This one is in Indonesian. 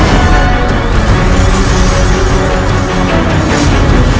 tidak sopan berbicara seperti itu di depan ibu